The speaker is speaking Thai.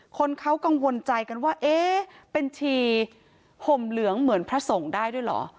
คนเขากังวลใจกันว่าเอ๊ะเป็นชีห่มเหลืองเหมือนพระสงฆ์ได้ด้วยเหรอ